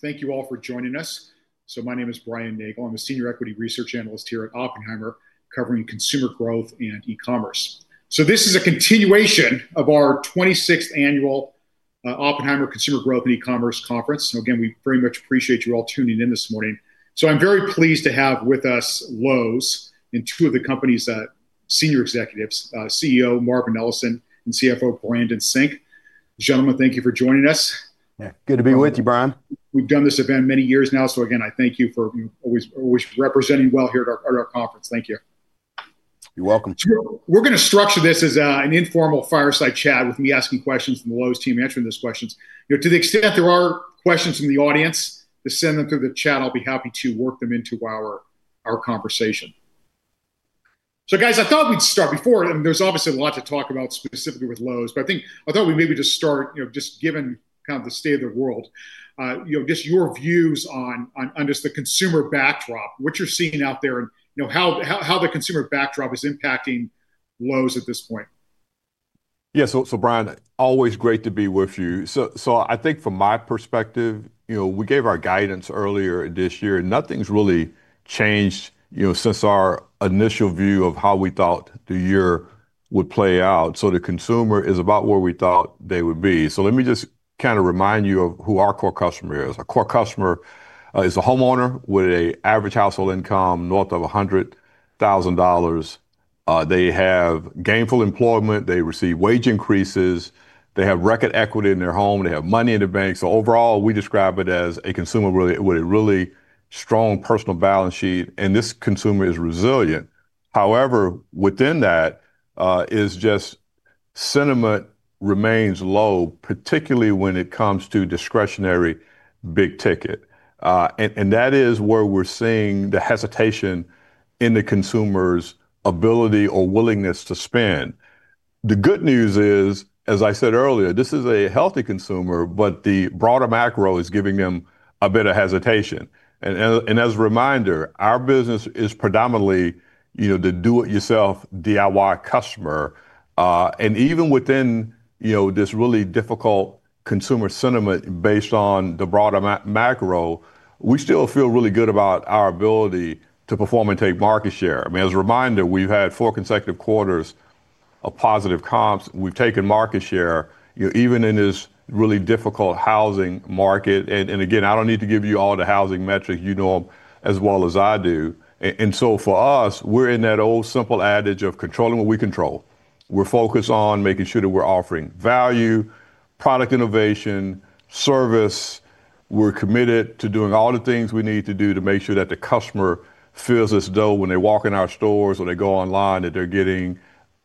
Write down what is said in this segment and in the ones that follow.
Thank you all for joining us. My name is Brian Nagel. I'm a Senior Equity Research Analyst here at Oppenheimer, covering consumer growth and e-commerce. This is a continuation of our 26th Annual Oppenheimer Consumer Growth and E-commerce Conference. Again, we very much appreciate you all tuning in this morning. I'm very pleased to have with us Lowe's and two of the company's senior executives, CEO Marvin Ellison, and CFO Brandon Sink. Gentlemen, thank you for joining us. Yeah. Good to be with you, Brian. We've done this event many years now, again, I thank you for always representing well here at our conference. Thank you. You're welcome. We're going to structure this as an informal fireside chat with me asking questions and the Lowe's team answering those questions. To the extent there are questions from the audience, just send them through the chat, I'll be happy to work them into our conversation. Guys, I thought we'd maybe just start, just given kind of the state of the world, just your views on just the consumer backdrop, what you're seeing out there and how the consumer backdrop is impacting Lowe's at this point. Yeah. Brian, always great to be with you. I think from my perspective, we gave our guidance earlier this year, nothing's really changed since our initial view of how we thought the year would play out. The consumer is about where we thought they would be. Let me just kind of remind you of who our core customer is. Our core customer is a homeowner with an average household income north of $100,000. They have gainful employment. They receive wage increases. They have record equity in their home. They have money in the bank. Overall, we describe it as a consumer with a really strong personal balance sheet, this consumer is resilient. However, within that, is just sentiment remains low, particularly when it comes to discretionary big ticket. That is where we're seeing the hesitation in the consumer's ability or willingness to spend. The good news is, as I said earlier, this is a healthy consumer, the broader macro is giving them a bit of hesitation. As a reminder, our business is predominantly the do it yourself DIY customer. Even within this really difficult consumer sentiment based on the broader macro, we still feel really good about our ability to perform and take market share. I mean, as a reminder, we've had four consecutive quarters of positive comps. We've taken market share even in this really difficult housing market. Again, I don't need to give you all the housing metrics. You know them as well as I do. For us, we're in that old simple adage of controlling what we control. We're focused on making sure that we're offering value, product innovation, service. We're committed to doing all the things we need to do to make sure that the customer feels as though when they walk in our stores or they go online, that they're getting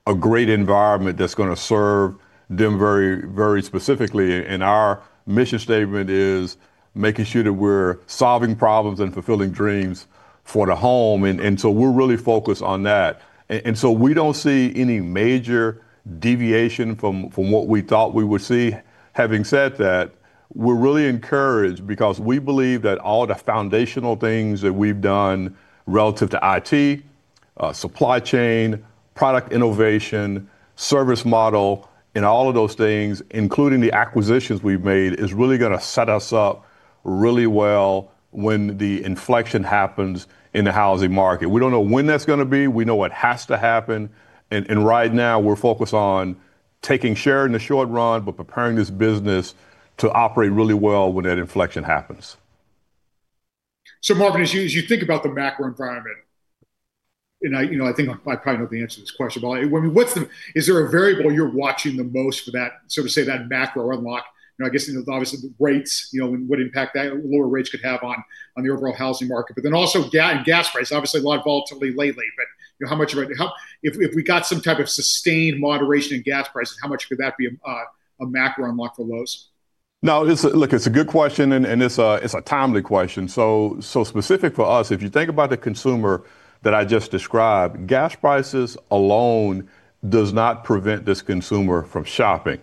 a great environment that's going to serve them very specifically. Our mission statement is making sure that we're solving problems and fulfilling dreams for the home, we're really focused on that. We don't see any major deviation from what we thought we would see. Having said that, we're really encouraged because we believe that all the foundational things that we've done relative to IT, supply chain, product innovation, service model, and all of those things, including the acquisitions we've made, is really going to set us up really well when the inflection happens in the housing market. We don't know when that's going to be. We know it has to happen. Right now we're focused on taking share in the short run, but preparing this business to operate really well when that inflection happens. Marvin, as you think about the macro environment, I think I probably know the answer to this question, is there a variable you're watching the most for that sort of say, that macro unlock? I guess, obviously the rates, what impact that lower rates could have on the overall housing market. Also gas prices, obviously a lot of volatility lately. If we got some type of sustained moderation in gas prices, how much could that be a macro unlock for Lowe's? Look, it's a good question, it's a timely question. Specific for us, if you think about the consumer that I just described, gas prices alone does not prevent this consumer from shopping.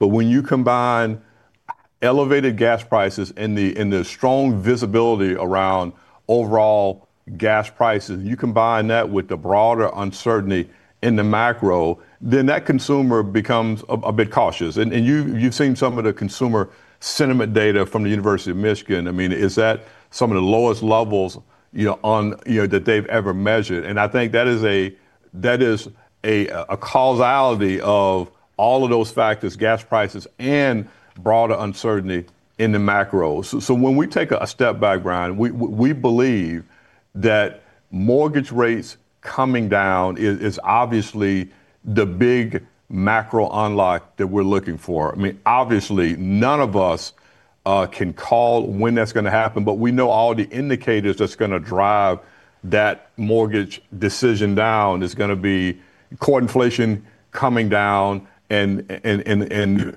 When you combine elevated gas prices and the strong visibility around overall gas prices, you combine that with the broader uncertainty in the macro, that consumer becomes a bit cautious. You've seen some of the consumer sentiment data from the University of Michigan. I mean, it's at some of the lowest levels that they've ever measured. I think that is a causality of all of those factors, gas prices, and broader uncertainty in the macro. When we take a step back, Brian, we believe that mortgage rates coming down is obviously the big macro unlock that we're looking for. I mean, obviously, none of us can call when that's going to happen, we know all the indicators that's going to drive that mortgage decision down is going to be core inflation coming down,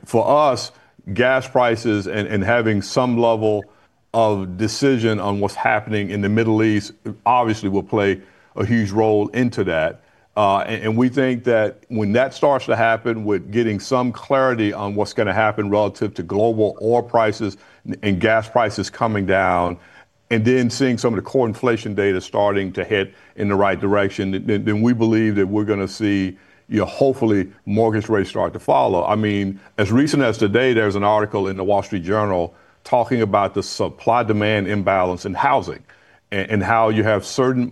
for us, gas prices and having some level of decision on what's happening in the Middle East obviously will play a huge role into that. We think that when that starts to happen, we're getting some clarity on what's going to happen relative to global oil prices and gas prices coming down, seeing some of the core inflation data starting to head in the right direction. We believe that we're going to see, hopefully, mortgage rates start to follow. As recent as today, there's an article in The Wall Street Journal talking about the supply-demand imbalance in housing, and how you have certain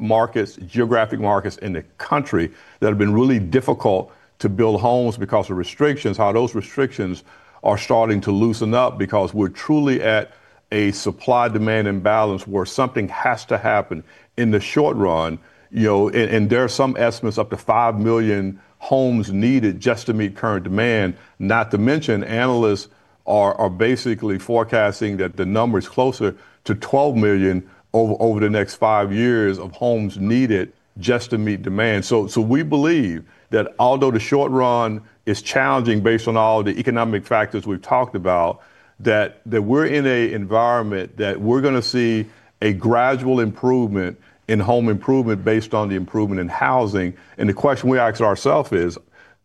geographic markets in the country that have been really difficult to build homes because of restrictions, how those restrictions are starting to loosen up because we're truly at a supply-demand imbalance where something has to happen in the short run. There are some estimates, up to 5 million homes needed just to meet current demand. Not to mention, analysts are basically forecasting that the number is closer to 12 million over the next five years of homes needed just to meet demand. We believe that although the short run is challenging based on all of the economic factors we've talked about, that we're in an environment that we're going to see a gradual improvement in home improvement based on the improvement in housing. The question we ask ourself is: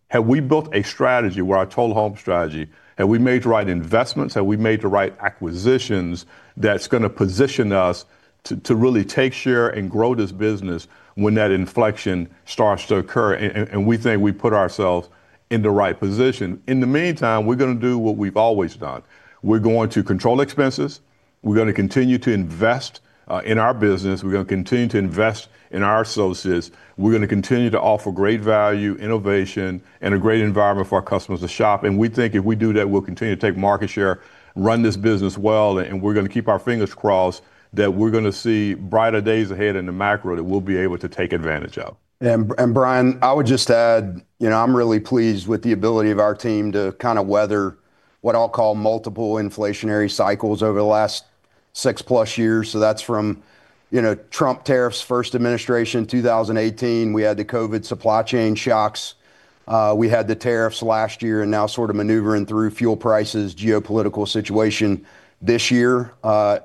Have we built a strategy with our total home strategy? Have we made the right investments? Have we made the right acquisitions that's going to position us to really take share and grow this business when that inflection starts to occur? We think we've put ourselves in the right position. In the meantime, we're going to do what we've always done. We're going to control expenses. We're going to continue to invest in our business. We're going to continue to invest in our associates. We're going to continue to offer great value, innovation, and a great environment for our customers to shop in. We think if we do that, we'll continue to take market share, run this business well, and we're going to keep our fingers crossed that we're going to see brighter days ahead in the macro that we'll be able to take advantage of. Brian, I would just add, I'm really pleased with the ability of our team to kind of weather what I'll call multiple inflationary cycles over the last six plus years. That's from Trump tariffs first administration in 2018. We had the COVID supply chain shocks. We had the tariffs last year, and now sort of maneuvering through fuel prices, geopolitical situation this year.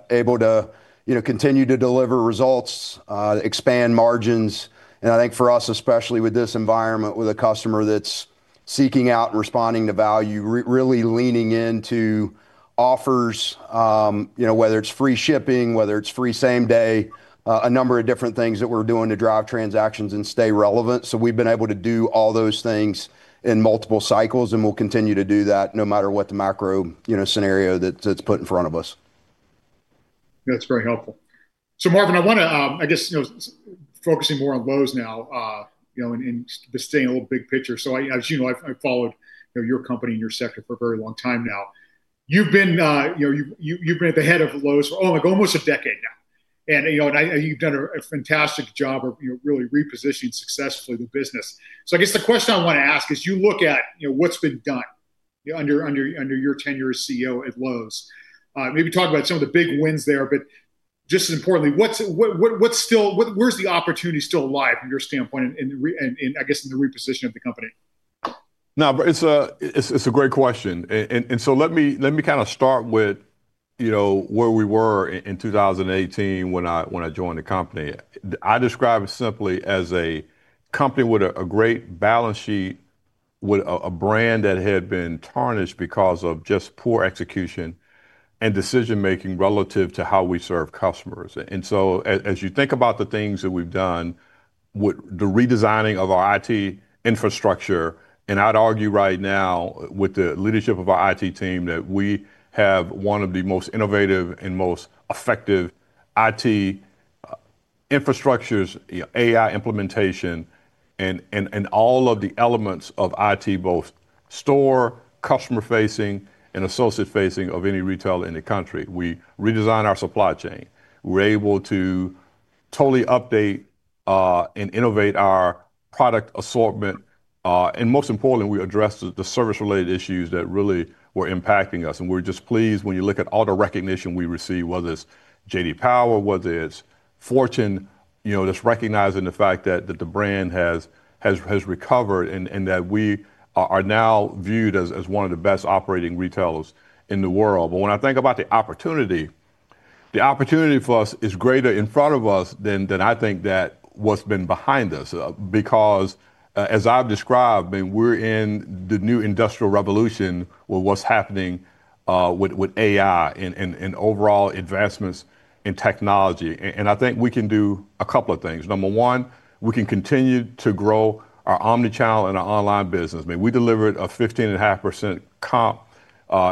Able to continue to deliver results, expand margins, and I think for us, especially with this environment, with a customer that's seeking out and responding to value, really leaning into offers, whether it's free shipping, whether it's free same day, a number of different things that we're doing to drive transactions and stay relevant. We've been able to do all those things in multiple cycles, and we'll continue to do that no matter what the macro scenario that's put in front of us. That's very helpful. Marvin, I want to, I guess, focusing more on Lowe's now, and just staying a little big picture. As you know, I've followed your company and your sector for a very long time now. You've been at the head of Lowe's for, oh my God, almost a decade now. You've done a fantastic job of really repositioning successfully the business. I guess the question I want to ask is, you look at what's been done under your tenure as CEO at Lowe's. Maybe talk about some of the big wins there, but just as importantly, where's the opportunity still lie from your standpoint and, I guess, in the reposition of the company? No, it's a great question. Let me kind of start with where we were in 2018 when I joined the company. I describe it simply as a company with a great balance sheet, with a brand that had been tarnished because of just poor execution and decision making relative to how we serve customers. As you think about the things that we've done with the redesigning of our IT infrastructure, and I'd argue right now with the leadership of our IT team that we have one of the most innovative and most effective IT infrastructures, AI implementation, and all of the elements of IT, both store, customer facing, and associate facing of any retailer in the country. We redesigned our supply chain. We're able to totally update, and innovate our product assortment. Most importantly, we addressed the service-related issues that really were impacting us. We're just pleased when you look at all the recognition we receive, whether it's J.D. Power, whether it's Fortune, just recognizing the fact that the brand has recovered and that we are now viewed as one of the best operating retailers in the world. When I think about the opportunity, the opportunity for us is greater in front of us than I think that what's been behind us. Because as I've described, we're in the new industrial revolution with what's happening with AI and overall advancements in technology. I think we can do a couple of things. Number one, we can continue to grow our omnichannel and our online business. We delivered a 15.5% comp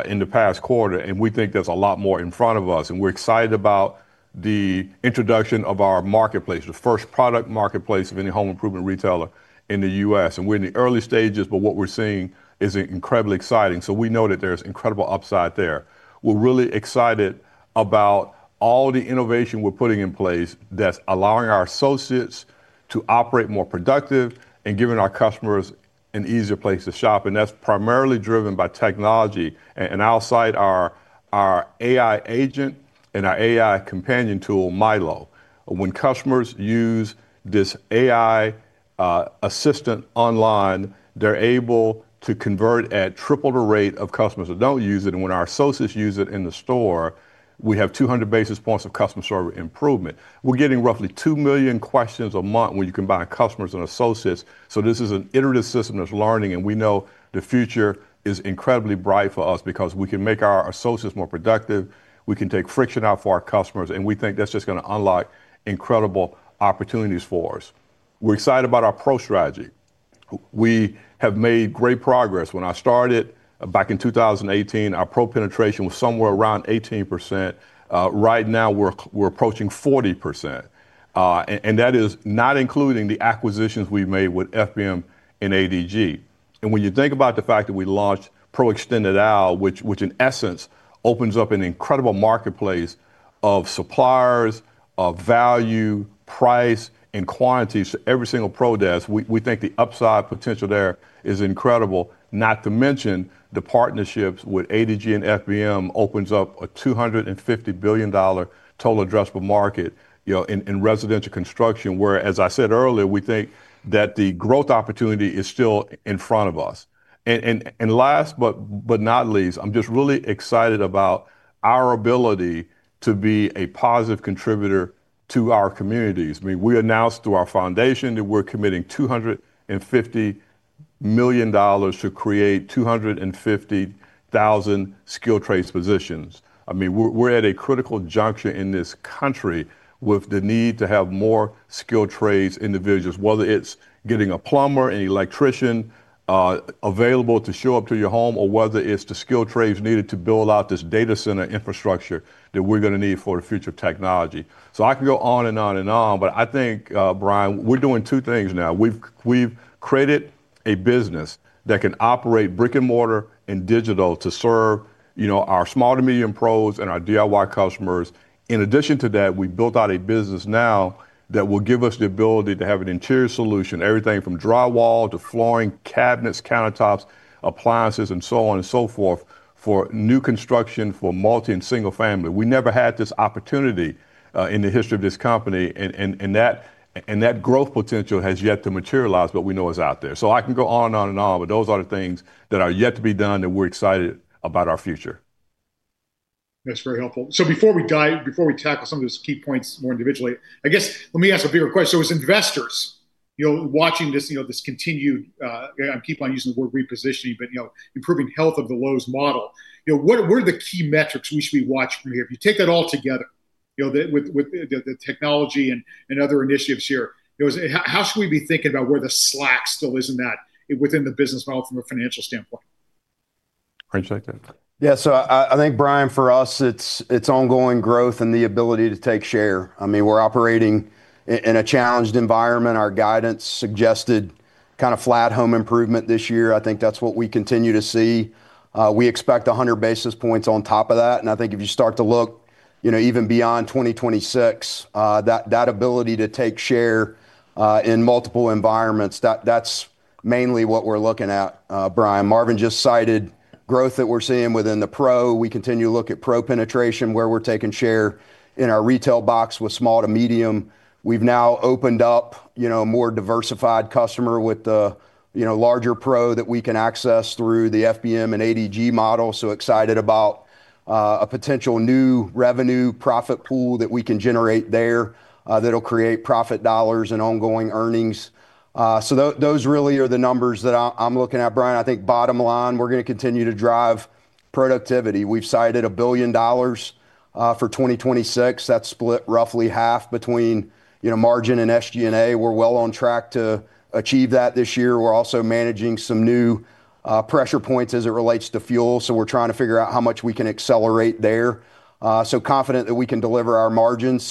in the past quarter, and we think there's a lot more in front of us. We're excited about the introduction of our marketplace, the first product marketplace of any home improvement retailer in the U.S. We're in the early stages, but what we're seeing is incredibly exciting. We know that there's incredible upside there. We're really excited about all the innovation we're putting in place that's allowing our associates to operate more productive and giving our customers an easier place to shop. That's primarily driven by technology. I'll cite our AI agent and our AI companion tool, Mylow. When customers use this AI assistant online, they're able to convert at triple the rate of customers that don't use it. When our associates use it in the store, we have 200 basis points of customer service improvement. We're getting roughly 2 million questions a month when you combine customers and associates. This is an iterative system that is learning, and we know the future is incredibly bright for us because we can make our associates more productive. We can take friction out for our customers. We think that is just going to unlock incredible opportunities for us. We are excited about our Pro strategy. We have made great progress. When I started back in 2018, our Pro penetration was somewhere around 18%. Right now, we are approaching 40%, and that is not including the acquisitions we have made with FBM and ADG. When you think about the fact that we launched Pro Extended Aisle, which in essence opens up an incredible marketplace of suppliers, of value, price, and quantity to every single Pro desk, we think the upside potential there is incredible. Not to mention, the partnerships with ADG and FBM opens up a $250 billion total addressable market in residential construction, where, as I said earlier, we think that the growth opportunity is still in front of us. Last but not least, I am just really excited about our ability to be a positive contributor to our communities. We announced through our foundation that we are committing $250 million to create 250,000 skilled trades positions. We are at a critical juncture in this country with the need to have more skilled trades individuals, whether it is getting a plumber, an electrician available to show up to your home, or whether it is the skilled trades needed to build out this data center infrastructure that we are going to need for the future of technology. I could go on and on and on, but I think, Brian, we are doing two things now. We have created a business that can operate brick-and-mortar and digital to serve our small to medium Pros and our DIY customers. In addition to that, we built out a business now that will give us the ability to have an interior solution, everything from drywall to flooring, cabinets, countertops, appliances, and so on and so forth, for new construction for multi and single family. We never had this opportunity in the history of this company, and that growth potential has yet to materialize, but we know it is out there. I can go on and on and on, but those are the things that are yet to be done that we are excited about our future. That is very helpful. Before we tackle some of those key points more individually, I guess let me ask a bigger question. As investors watching this continued, I keep on using the word repositioning, but improving health of the Lowe's model, what are the key metrics we should be watching from here? If you take that all together with the technology and other initiatives here, how should we be thinking about where the slack still is in that within the business model from a financial standpoint? Brandon, you take that. I think, Brian, for us, it's ongoing growth and the ability to take share. We're operating in a challenged environment. Our guidance suggested kind of flat home improvement this year. I think that's what we continue to see. We expect 100 basis points on top of that, and I think if you start to look even beyond 2026, that ability to take share in multiple environments, that's mainly what we're looking at, Brian. Marvin just cited growth that we're seeing within the Pro. We continue to look at Pro penetration, where we're taking share in our retail box with small to medium. We've now opened up a more diversified customer with the larger Pro that we can access through the FBM and ADG model. Excited about a potential new revenue profit pool that we can generate there that'll create profit dollars and ongoing earnings. Those really are the numbers that I'm looking at, Brian. I think bottom line, we're going to continue to drive productivity. We've cited $1 billion for 2026. That's split roughly half between margin and SG&A. We're well on track to achieve that this year. We're also managing some new pressure points as it relates to fuel, so we're trying to figure out how much we can accelerate there. Confident that we can deliver our margins.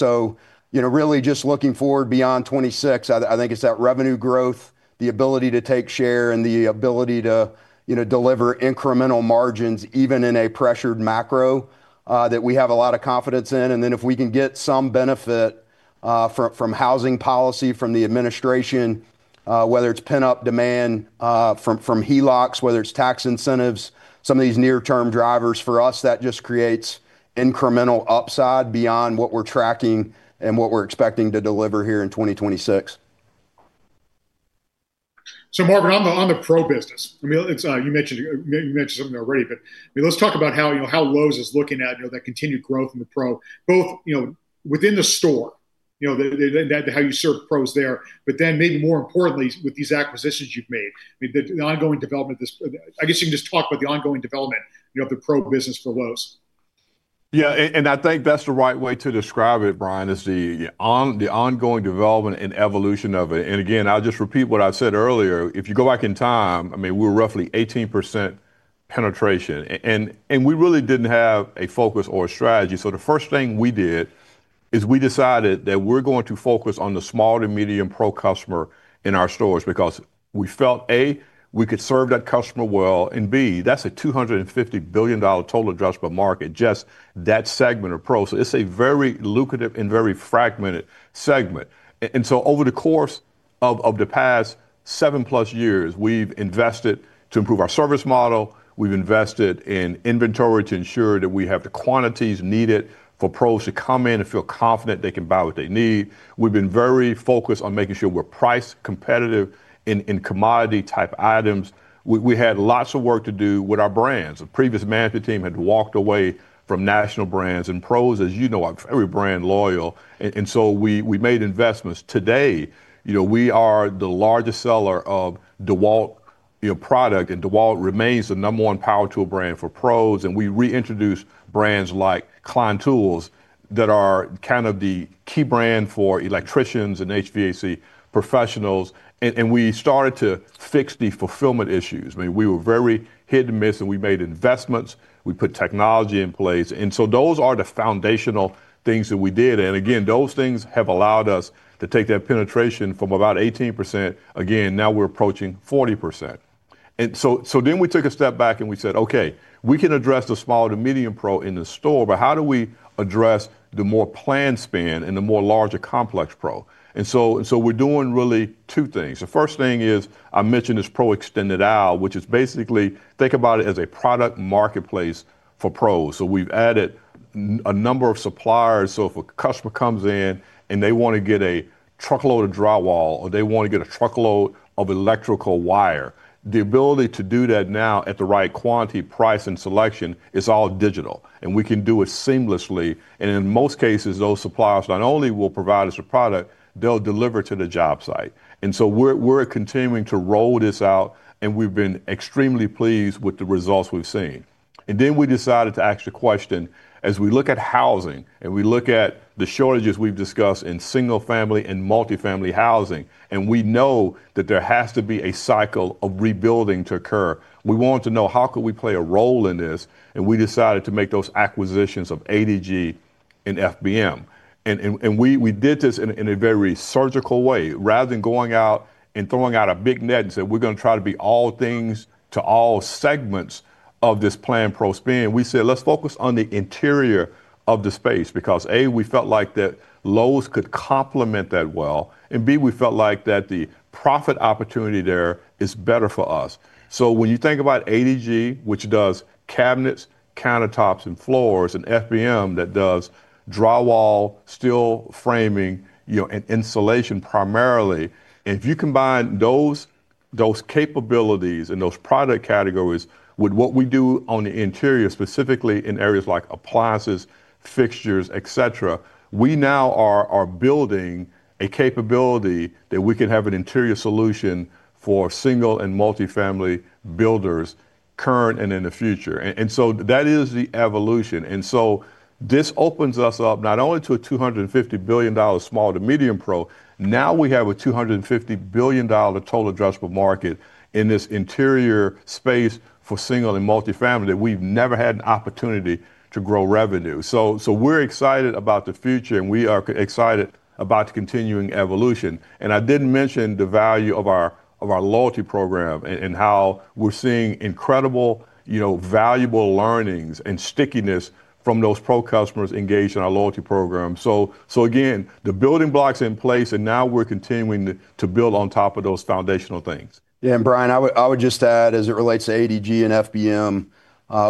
Really just looking forward beyond 2026, I think it's that revenue growth, the ability to take share, and the ability to deliver incremental margins even in a pressured macro that we have a lot of confidence in. If we can get some benefit from housing policy from the administration, whether it's pent-up demand from HELOCs, whether it's tax incentives, some of these near-term drivers, for us, that just creates incremental upside beyond what we're tracking and what we're expecting to deliver here in 2026. Marvin, on the Pro business, you mentioned something already, but let's talk about how Lowe's is looking at that continued growth in the Pro, both within the store, how you serve Pros there, but then maybe more importantly, with these acquisitions you've made. I guess you can just talk about the ongoing development of the Pro business for Lowe's. I think that's the right way to describe it, Brian, is the ongoing development and evolution of it. Again, I'll just repeat what I said earlier. If you go back in time, we were roughly 18% penetration, and we really didn't have a focus or a strategy. The first thing we did is we decided that we're going to focus on the small to medium Pro customer in our stores because we felt, A, we could serve that customer well, and B, that's a $250 billion total addressable market, just that segment of Pro. It's a very lucrative and very fragmented segment. Over the past seven-plus years, we've invested to improve our service model, we've invested in inventory to ensure that we have the quantities needed for Pros to come in and feel confident they can buy what they need. We've been very focused on making sure we're price competitive in commodity-type items. We had lots of work to do with our brands. The previous management team had walked away from national brands. Pros, as you know, are very brand loyal. We made investments. Today, we are the largest seller of DEWALT product, and DEWALT remains the number one power tool brand for Pros. We reintroduced brands like Klein Tools that are kind of the key brand for electricians and HVAC professionals. We started to fix the fulfillment issues. I mean, we were very hit-and-miss, and we made investments. We put technology in place. Those are the foundational things that we did. Again, those things have allowed us to take that penetration from about 18%, again, now we're approaching 40%. Then we took a step back and we said, "Okay, we can address the small to medium Pro in the store, but how do we address the more plan spend and the more larger complex Pro?" We're doing really two things. The first thing is, I mentioned this Pro Extended Aisle, which is basically think about it as a product marketplace for Pros. We've added a number of suppliers, so if a customer comes in and they want to get a truckload of drywall, or they want to get a truckload of electrical wire, the ability to do that now at the right quantity, price, and selection is all digital, and we can do it seamlessly. In most cases, those suppliers not only will provide us a product, they'll deliver to the job site. We're continuing to roll this out, and we've been extremely pleased with the results we've seen. We decided to ask the question, as we look at housing and we look at the shortages we've discussed in single-family and multi-family housing, and we know that there has to be a cycle of rebuilding to occur. We wanted to know, how could we play a role in this? We decided to make those acquisitions of ADG and FBM. We did this in a very surgical way. Rather than going out and throwing out a big net and said, "We're going to try to be all things to all segments of this planned pro spend," we said, "Let's focus on the interior of the space." Because, A, we felt like that Lowe's could complement that well, and B, we felt like that the profit opportunity there is better for us. When you think about ADG, which does cabinets, countertops, and floors, and FBM, that does drywall, steel framing, and insulation primarily, and if you combine those capabilities and those product categories with what we do on the interior, specifically in areas like appliances, fixtures, et cetera, we now are building a capability that we can have an interior solution for single and multi-family builders current and in the future. That is the evolution. This opens us up not only to a $250 billion small to medium pro, now we have a $250 billion total addressable market in this interior space for single and multi-family that we've never had an opportunity to grow revenue. We're excited about the future, and we are excited about the continuing evolution. I didn't mention the value of our loyalty program and how we're seeing incredible valuable learnings and stickiness from those pro customers engaged in our loyalty program. Again, the building block's in place, and now we're continuing to build on top of those foundational things. Yeah. Brian, I would just add as it relates to ADG and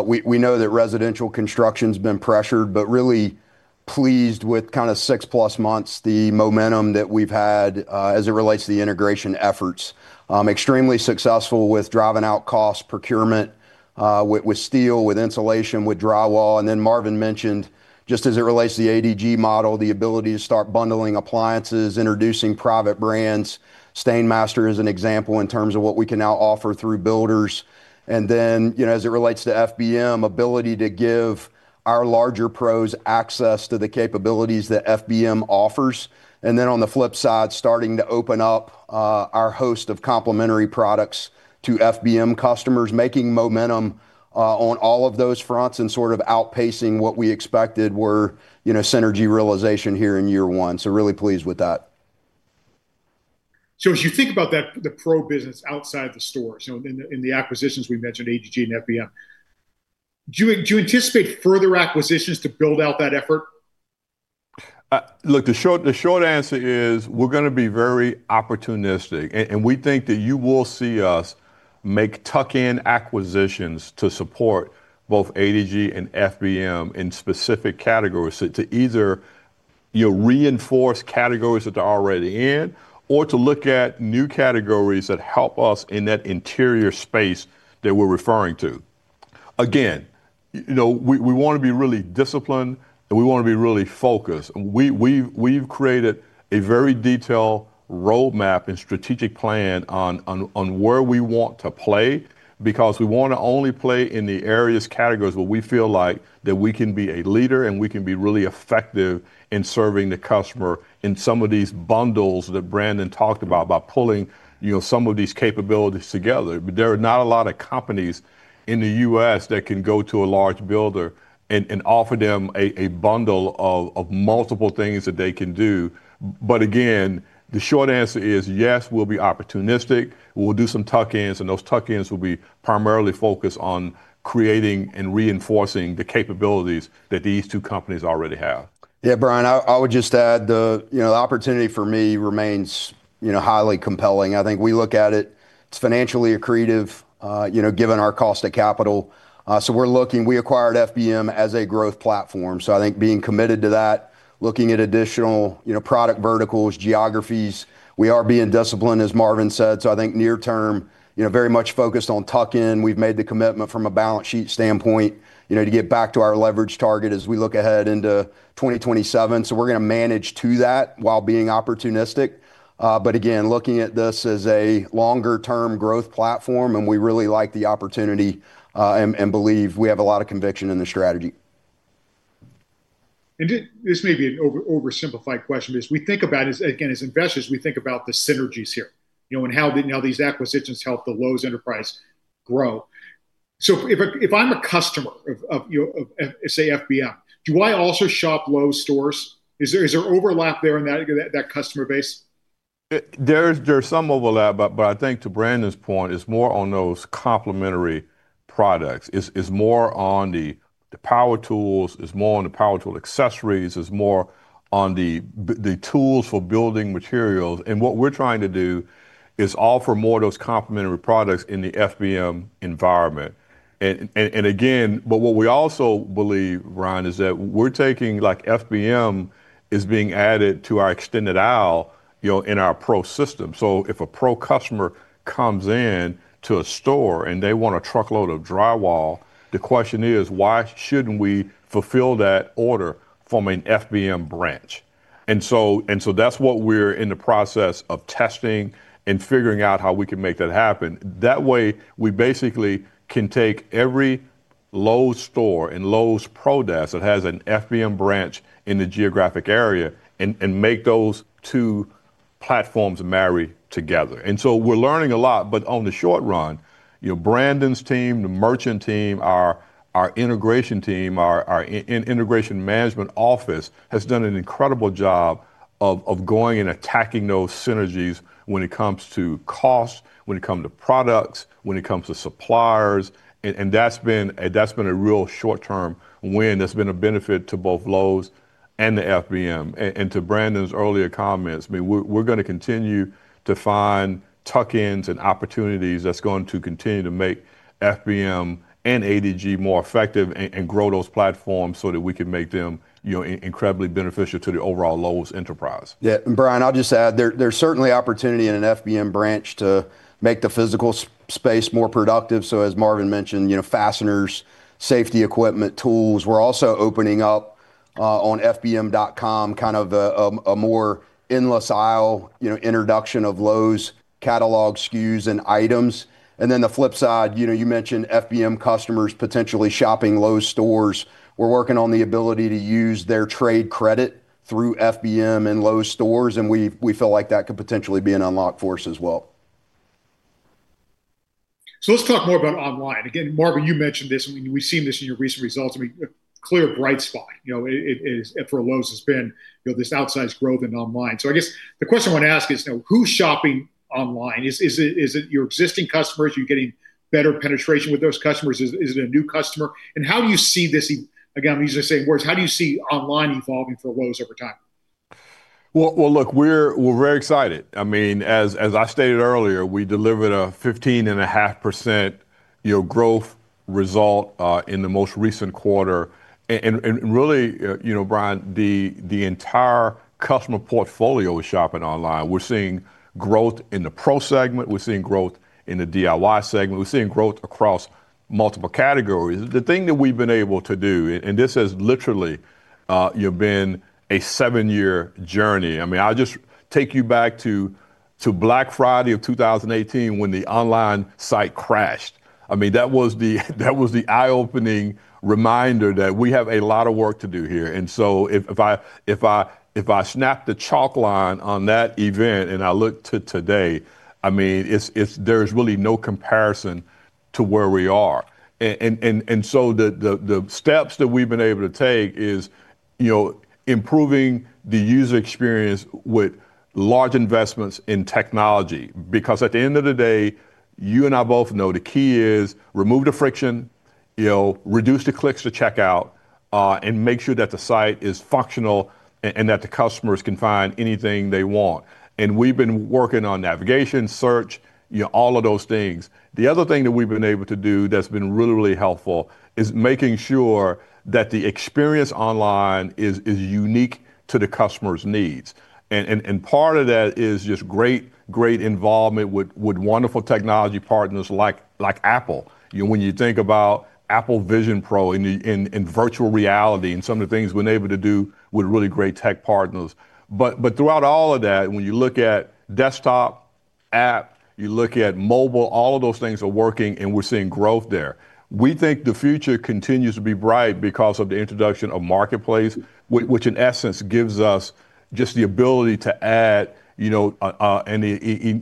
FBM, we know that residential construction's been pressured, but really pleased with kind of six-plus months the momentum that we've had as it relates to the integration efforts. Extremely successful with driving out cost procurement with steel, with insulation, with drywall. Marvin mentioned, just as it relates to the ADG model, the ability to start bundling appliances, introducing private brands. STAINMASTER is an example in terms of what we can now offer through builders. As it relates to FBM, ability to give our larger pros access to the capabilities that FBM offers. On the flip side, starting to open up our host of complementary products to FBM customers, making momentum on all of those fronts and sort of outpacing what we expected were synergy realization here in year one. Really pleased with that. As you think about the pro business outside the stores, in the acquisitions we mentioned, ADG and FBM, do you anticipate further acquisitions to build out that effort? Look, the short answer is we're going to be very opportunistic. We think that you will see us make tuck-in acquisitions to support both ADG and FBM in specific categories to either reinforce categories that they're already in or to look at new categories that help us in that interior space that we're referring to. We want to be really disciplined, and we want to be really focused. We've created a very detailed roadmap and strategic plan on where we want to play because we want to only play in the areas, categories where we feel like that we can be a leader and we can be really effective in serving the customer in some of these bundles that Brandon talked about pulling some of these capabilities together. There are not a lot of companies in the U.S. that can go to a large builder and offer them a bundle of multiple things that they can do. Again, the short answer is yes, we'll be opportunistic. We'll do some tuck-ins, and those tuck-ins will be primarily focused on creating and reinforcing the capabilities that these two companies already have. Brian, I would just add the opportunity for me remains highly compelling. I think we look at it's financially accretive given our cost of capital. We're looking, we acquired FBM as a growth platform. I think being committed to that, looking at additional product verticals, geographies, we are being disciplined, as Marvin said. I think near term, very much focused on tuck-in. We've made the commitment from a balance sheet standpoint to get back to our leverage target as we look ahead into 2027. We're going to manage to that while being opportunistic. Again, looking at this as a longer-term growth platform, and we really like the opportunity, and believe we have a lot of conviction in the strategy. This may be an oversimplified question, as we think about it, again, as investors, we think about the synergies here, and how these acquisitions help the Lowe's enterprise grow. If I'm a customer of, say, FBM, do I also shop Lowe's stores? Is there overlap there in that customer base? There's some overlap, I think to Brandon's point, it's more on those complementary products. It's more on the power tools, it's more on the power tool accessories, it's more on the tools for building materials. What we're trying to do is offer more of those complementary products in the FBM environment. Again, what we also believe, Brian, is that we're taking, like FBM is being added to our extended aisle in our pro system. If a pro customer comes in to a store and they want a truckload of drywall, the question is why shouldn't we fulfill that order from an FBM branch? That's what we're in the process of testing and figuring out how we can make that happen. That way, we basically can take every Lowe's store and Lowe's Pro Desk that has an FBM branch in the geographic area and make those two platforms marry together. We're learning a lot, on the short run, Brandon's team, the merchant team, our integration team, our integration management office has done an incredible job of going and attacking those synergies when it comes to cost, when it come to products, when it comes to suppliers, and that's been a real short-term win that's been a benefit to both Lowe's and to FBM. To Brandon's earlier comments, we're going to continue to find tuck-ins and opportunities that's going to continue to make FBM and ADG more effective and grow those platforms so that we can make them incredibly beneficial to the overall Lowe's enterprise. Brian, I'll just add, there's certainly opportunity in an FBM branch to make the physical space more productive. As Marvin mentioned, fasteners, safety equipment, tools. We're also opening up, on fbm.com, kind of a more endless aisle introduction of Lowe's catalog SKUs and items. The flip side, you mentioned FBM customers potentially shopping Lowe's stores. We're working on the ability to use their trade credit through FBM and Lowe's stores, and we feel like that could potentially be an unlocked force as well. Let's talk more about online. Again, Marvin, you mentioned this, and we've seen this in your recent results. I mean, a clear bright spot for Lowe's has been this outsized growth in online. I guess the question I want to ask is who's shopping online? Is it your existing customers? Are you getting better penetration with those customers? Is it a new customer? How do you see this, again, I'm going to use the same words, how do you see online evolving for Lowe's over time? Well, look, we're very excited. As I stated earlier, we delivered a 15.5% growth result in the most recent quarter, really, Brian, the entire customer portfolio is shopping online. We're seeing growth in the Pro segment. We're seeing growth in the DIY segment. We're seeing growth across multiple categories. The thing that we've been able to do, and this has literally been a seven-year journey. I'll just take you back to Black Friday of 2018 when the online site crashed. That was the eye-opening reminder that we have a lot of work to do here. If I snap the chalk line on that event and I look to today, there's really no comparison to where we are. The steps that we've been able to take is improving the user experience with large investments in technology. At the end of the day, you and I both know the key is remove the friction, reduce the clicks to checkout, make sure that the site is functional, and that the customers can find anything they want. We've been working on navigation, search, all of those things. The other thing that we've been able to do that's been really, really helpful is making sure that the experience online is unique to the customer's needs. Part of that is just great involvement with wonderful technology partners like Apple. When you think about Apple Vision Pro and virtual reality and some of the things we've been able to do with really great tech partners. Throughout all of that, when you look at desktop app, you look at mobile, all of those things are working, and we're seeing growth there. We think the future continues to be bright because of the introduction of Marketplace, which in essence gives us just the ability to add an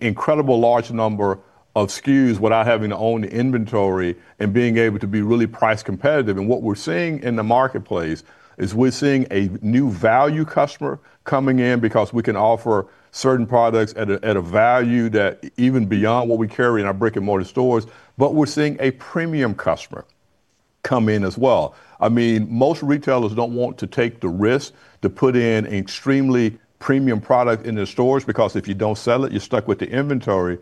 incredible large number of SKUs without having to own the inventory and being able to be really price competitive. What we're seeing in the Marketplace is we're seeing a new value customer coming in because we can offer certain products at a value that even beyond what we carry in our brick-and-mortar stores, but we're seeing a premium customer come in as well. Most retailers don't want to take the risk to put in extremely premium product in their stores, because if you don't sell it, you're stuck with the inventory.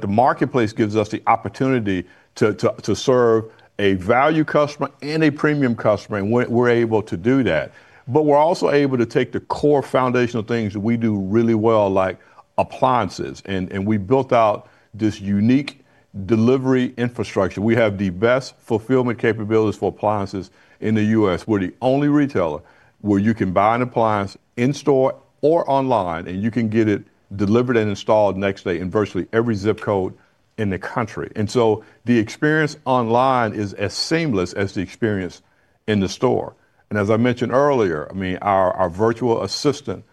The Marketplace gives us the opportunity to serve a value customer and a premium customer, and we're able to do that. We're also able to take the core foundational things that we do really well, like appliances, and we built out this unique delivery infrastructure. We have the best fulfillment capabilities for appliances in the U.S. We're the only retailer where you can buy an appliance in-store or online, and you can get it delivered and installed next day in virtually every zip code in the country. The experience online is as seamless as the experience in the store. As I mentioned earlier, our virtual assistant,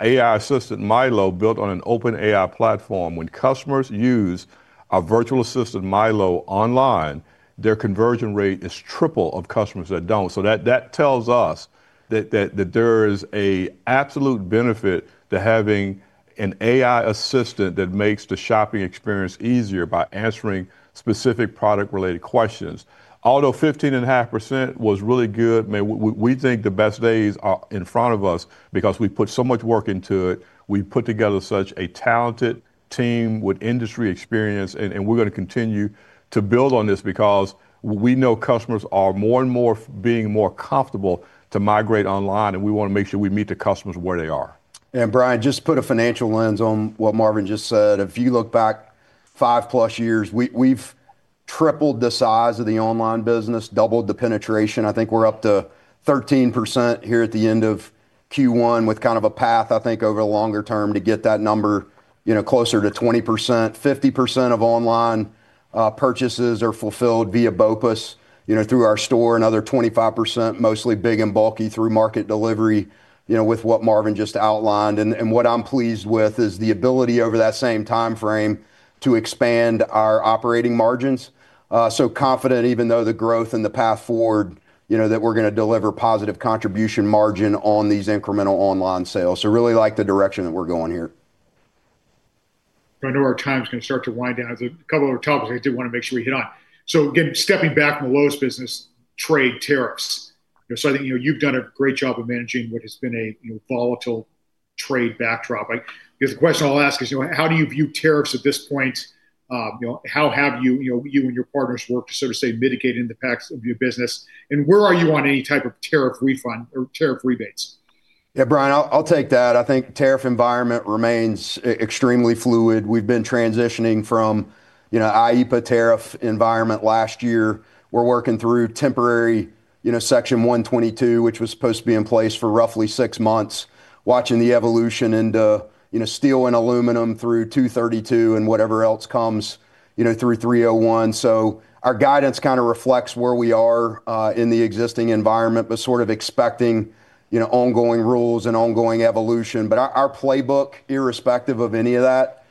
AI assistant, Mylow, built on an OpenAI platform. When customers use our virtual assistant, Mylow, online, their conversion rate is triple of customers that don't. That tells us that there is an absolute benefit to having an AI assistant that makes the shopping experience easier by answering specific product-related questions. Although 15.5% was really good, we think the best days are in front of us because we put so much work into it. We've put together such a talented team with industry experience, and we're going to continue to build on this because we know customers are more and more being more comfortable to migrate online, and we want to make sure we meet the customers where they are. Brian, just put a financial lens on what Marvin just said. If you look back five plus years, we've tripled the size of the online business, doubled the penetration. I think we're up to 13% here at the end of Q1 with kind of a path, I think, over the longer term to get that number closer to 20%. 50% of online purchases are fulfilled via BOPIS, through our store, another 25%, mostly big and bulky through market delivery, with what Marvin just outlined. What I'm pleased with is the ability over that same time frame to expand our operating margins. Confident even though the growth and the path forward, that we're going to deliver positive contribution margin on these incremental online sales. Really like the direction that we're going here.. I know our time is going to start to wind down. There's a couple of other topics I did want to make sure we hit on. Again, stepping back from the Lowe's business, trade tariffs. I think you've done a great job of managing what has been a volatile trade backdrop. I guess the question I'll ask is how do you view tariffs at this point? How have you and your partners worked to mitigate the impacts of your business, and where are you on any type of tariff refund or tariff rebates? Yeah, Brian, I'll take that. I think tariff environment remains extremely fluid. We've been transitioning from IEEPA tariff environment last year. We're working through temporary Section 122, which was supposed to be in place for roughly six months, watching the evolution into steel and aluminum through 232 and whatever else comes through 301. Our guidance kind of reflects where we are in the existing environment, but sort of expecting ongoing rules and ongoing evolution. Our playbook, irrespective of any of that,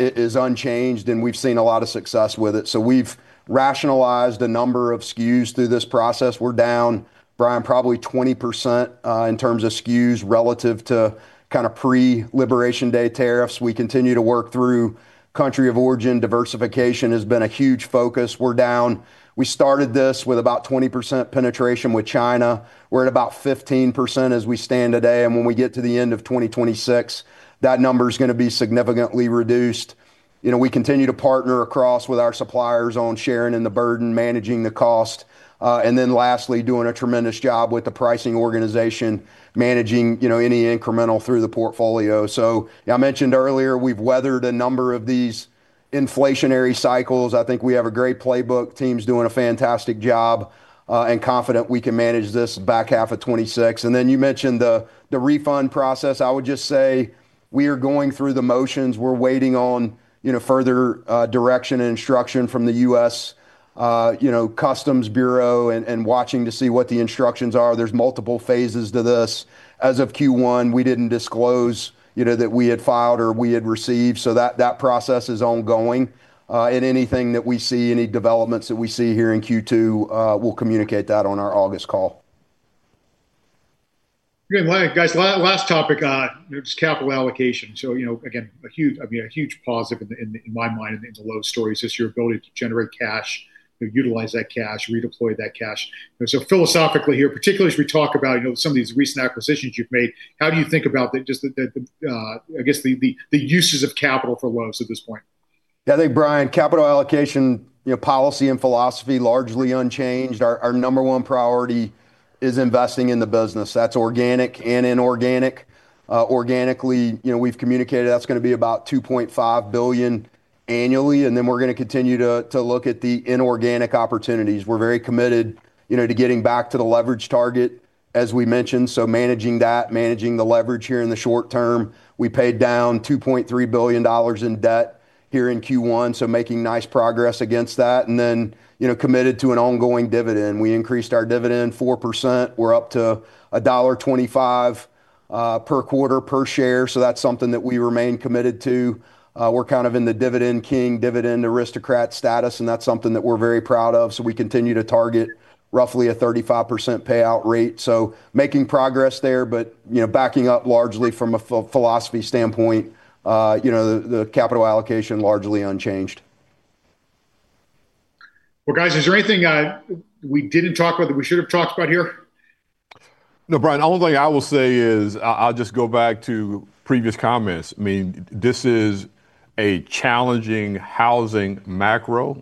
is unchanged, and we've seen a lot of success with it. We've rationalized a number of SKUs through this process. We're down, Brian, probably 20% in terms of SKUs relative to pre-Liberation Day tariffs. We continue to work through country of origin. Diversification has been a huge focus. We're down. We started this with about 20% penetration with China. We're at about 15% as we stand today, and when we get to the end of 2026, that number's going to be significantly reduced. We continue to partner across with our suppliers on sharing in the burden, managing the cost. Lastly, doing a tremendous job with the pricing organization, managing any incremental through the portfolio. I mentioned earlier, we've weathered a number of these inflationary cycles. I think we have a great playbook. Team's doing a fantastic job, and confident we can manage this back half of 2026. You mentioned the refund process. I would just say we are going through the motions. We're waiting on further direction and instruction from the U.S., Customs Bureau and watching to see what the instructions are. There's multiple phases to this. As of Q1, we didn't disclose that we had filed or we had received, that process is ongoing. Anything that we see, any developments that we see here in Q2, we'll communicate that on our August call. Good. Guys, last topic, it's capital allocation. Again, a huge positive in my mind in the Lowe's story is just your ability to generate cash, utilize that cash, redeploy that cash. Philosophically here, particularly as we talk about some of these recent acquisitions you've made, how do you think about just the, I guess the uses of capital for Lowe's at this point? Yeah, I think Brian, capital allocation policy and philosophy largely unchanged. Our number one priority is investing in the business. That's organic and inorganic. Organically, we've communicated that's going to be about $2.5 billion annually. We're going to continue to look at the inorganic opportunities. We're very committed to getting back to the leverage target, as we mentioned. Managing that, managing the leverage here in the short term. We paid down $2.3 billion in debt here in Q1, making nice progress against that. Committed to an ongoing dividend. We increased our dividend 4%. We're up to a $1.25 per quarter per share, that's something that we remain committed to. We're kind of in the dividend king, dividend aristocrat status, and that's something that we're very proud of. We continue to target roughly a 35% payout rate. Making progress there but backing up largely from a philosophy standpoint, the capital allocation largely unchanged. Well, guys, is there anything we didn't talk about that we should've talked about here? No, Brian, the only thing I will say is, I'll just go back to previous comments. I mean, this is a challenging housing macro.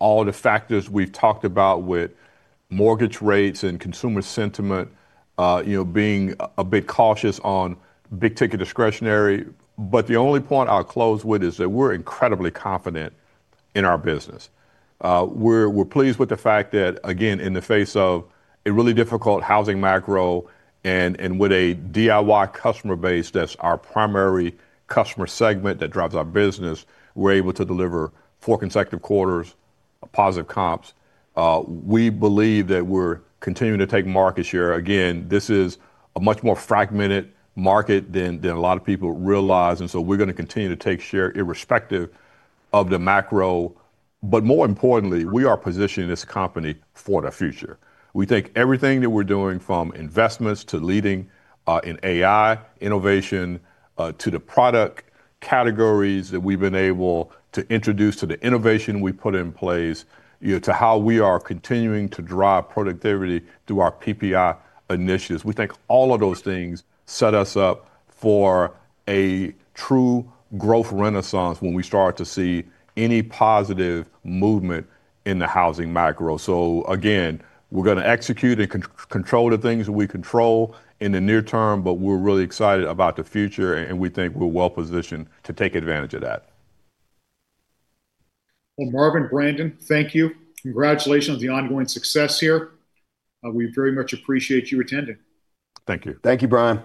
All the factors we've talked about with mortgage rates and consumer sentiment, being a bit cautious on big-ticket discretionary. The only point I'll close with is that we're incredibly confident in our business. We're pleased with the fact that, again, in the face of a really difficult housing macro and with a DIY customer base that's our primary customer segment that drives our business, we're able to deliver four consecutive quarters of positive comps. We believe that we're continuing to take market share. Again, this is a much more fragmented market than a lot of people realize, we're going to continue to take share irrespective of the macro. More importantly, we are positioning this company for the future. We think everything that we're doing, from investments to leading in AI innovation, to the product categories that we've been able to introduce, to the innovation we've put in place, to how we are continuing to drive productivity through our PPI initiatives. We think all of those things set us up for a true growth renaissance when we start to see any positive movement in the housing macro. Again, we're going to execute and control the things that we control in the near term, but we're really excited about the future, and we think we're well-positioned to take advantage of that. Well, Marvin, Brandon, thank you. Congratulations on the ongoing success here. We very much appreciate you attending. Thank you. Thank you, Brian.